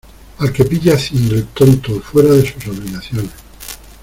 al que pille haciendo el tonto o fuera de sus obligaciones